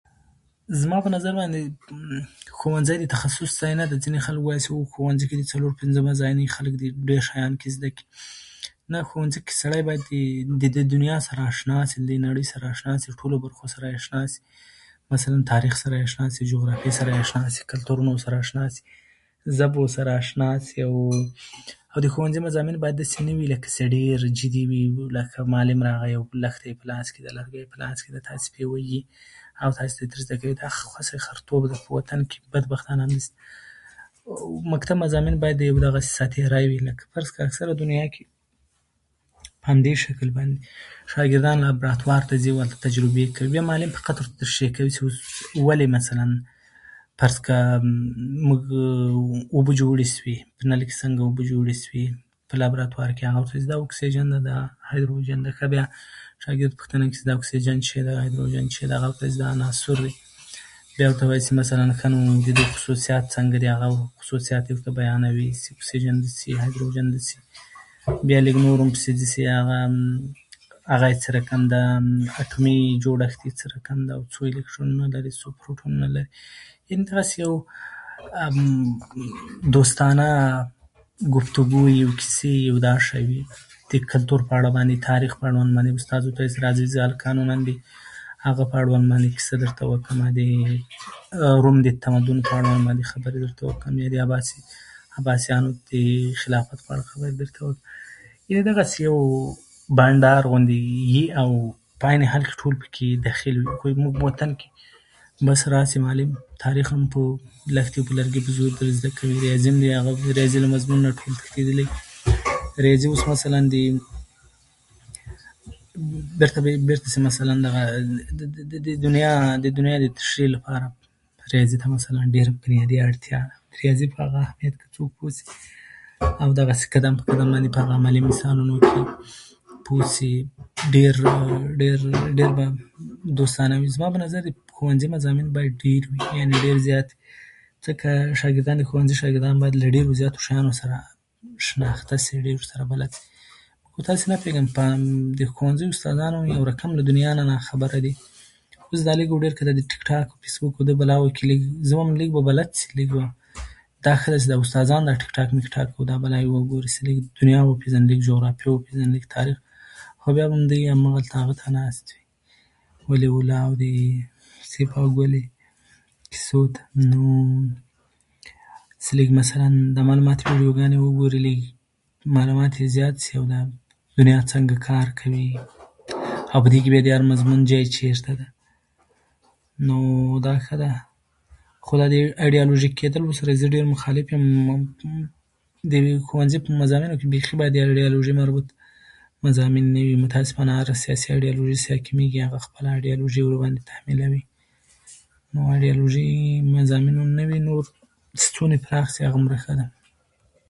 زما په نظر باندې، ښوونځی د تخصص ځای نه ده. ځینې خلک وايي چې ښوونځي کې دې څلور، پنځه مضامين وي، خلک دې ډېر شیان پکې زده کړي. نه، ښوونځي کې باید د دنیا سره اشنا شي، له نړۍ سره اشنا شي، ټولو برخو سره یې اشنا شي؛ مثلا تاریخ سره یې اشنا شي، جغرافیې سره یې اشنا شي، کلتورونو سره اشنا شي، ژبو سره اشنا شي. او د ښوونځي مضامين باید داسې نه وي، لکه چې ډېر جدي وي؛ لکه معلم راغی، او لښته یې په لاس کې ده، لرګی یې په لاس ده، تاسې پرې وهي، او تاسې ته یې درزده کوي. دا خوشې خرتوب ده. په وطن کې بدبختانه همداسې مکتب مضامین همداسې ساعتیری وي؛ لکه فرض کړه، په اکثره دنیا کې په همدې شکل شاګردان لابراتوار ته ځي، او هلته تجربې کوي، او معلم ورته فقط تشریح کوي چې ولې مثلا فرض کړه، موږ اوبه جوړې شوې، په نل کې څنګه اوبه جوړې شوې؟ په لابراتوار کې، هغه اکسیجن ده، دا هایدروجن ده. ښه، بیا شاګرد دا پوښتنه وکړي چې دا اکسیجن څه شی ده؟ هایدروجن ده. هغه ورته ووايي چې دا عناصر دي. بیا ورته وايي چې مثلا چې د دې خصوصیات څه شی دي، او هغه خصوصیات یې ورته بیانوي چې اکسیجن داسې، او هایدروجن داسې. بیا لږ نور هم پسې ځي چې هغه یې څه رقم ده، اټومي جوړښت یې څه رقم ده، څو الکترونه لري، څو پروتونه لري. یعنې دغسې یو دوستانه ګفتګو وي، او کیسې وي، او دا شی وي. د کلتور په اړه باندې، د تاریخ په اړوند باندې، استاد ورته ووايي چې راځی، د هغه په اړه کیسه درته وکړم، د روم د تمدن په اړه خبرې درته وکړم، یا د عباسي عباسیانو د خلافت په اړه خبرې درته وکړم. یعنې دغسې بنډار غوندي وي، او په عین حال کې ټول پکې دخیل وي. خو زموږ په وطن کې بس راشي معلم، تاریخ په لښتې او لرګی په زور درزده کوي. ریاضي هم، د ریاضي له مضمون ټول تښتيدلي. رياضي اوس مثلا بیرته دې بېرته مثلا هغه د د دنیا د تشریح لپاره ریاضي بنيادي اړتيا ده. ریاضي په هغه اهمیت که څوک پوه شي، او دغسې قدم په قدم په عملي مثالونو کې پوه شي، ډېر ډېر به دوستانه وي. زما په نظر، ښوونځي مضامین باید ډېر وي؛ یعنې ډېر زيات وي، ځکه شاګردان، د ښوونځي شاګردان باید له ډېرو زیاتو شیانو سره شناخته شي، ډېر ورسره بلد شي. خو نه پوهېږم، د ښوونځي استادان هم يو رقم له دنیا نه ناخبره دي. اوس دا لږ او ډېر که د ټیک ټاک، فیسبوک، او دې بلاوو کې لږ، زه وایم، لږ به بلد شي. لږ به دا ښه ده چې استادان به ټیک ټاک، او ميکټاک، او دا بلاوې وګوري، چې لږ دنيا وپيژني، جغرافیه وپيژني، لږ تاریخ. خو دوی به بیا هم هماغلته هغه ته ناست وي، ولي الله او د زیبا ګلې کیسو ته. نو چې لږ مثلا دا معلوماتي ويډيوګانې وګوري، چې معلومات یې زیات شي، چې دنيا څنګه کار کوي، او په دې کې بیا د هر مضمون ځای چېرته ده، نو دا ښه ده. خو دا د ايډيالوژيک کیدلو سره یې زه ډېر مخالف یم. د ښوونځي په مضامينو کې بیخي باید د ايډيالوژي مربوط مضامين نه وي. متاسفانه هره سیاسي ايډيالوژي چې حاکمه کېږي، هغه خپله ايډيالوژي ورباندې حاکموي. نو ايډيالوژي مضامين نه وی. نور چې څومره پراخ شي، هماغومره ښه ده.